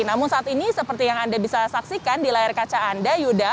namun saat ini seperti yang anda bisa saksikan di layar kaca anda yuda